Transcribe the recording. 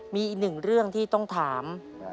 มีอีกหนึ่งเรื่องที่ต้องถาม